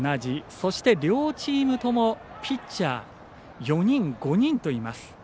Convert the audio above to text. そして、両チームともピッチャー、４人、５人といます。